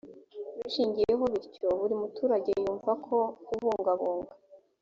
bishingiyeho bityo buri muturage yumva ko kubungabunga